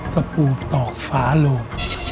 มันอูบต่อฝาโลก